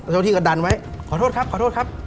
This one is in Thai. เจ้าที่ก็ดันไว้ขอโทษครับขอโทษครับ